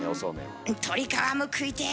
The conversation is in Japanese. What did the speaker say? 鶏皮も食いてえ。